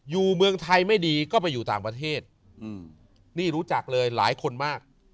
เมืองไทยไม่ดีก็ไปอยู่ต่างประเทศนี่รู้จักเลยหลายคนมาก